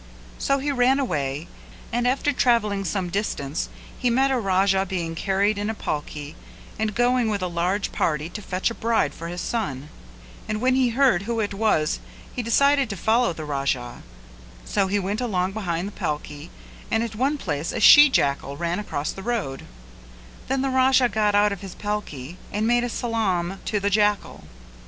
So he ran away and after travelling some distance he met a Raja being carried in a palki and going with a large party to fetch a bride for his son; and when he heard who it was he decided to follow the Raja; so he went along behind the palki and at one place a she jackal ran across the road; then the Raja got out of his palki and made a salaam to the jackal.